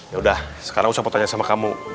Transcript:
yaudah sekarang usah pertanyaan sama kamu